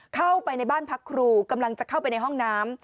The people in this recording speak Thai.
เข้าไปในบ้านพักครูกำลังจะเข้าไปในห้องน้ำ